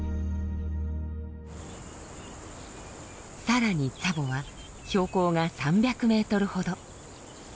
さらにツァボは標高が３００メートルほど。